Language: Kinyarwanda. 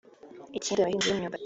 Ikindi abahinzi b’imyumbati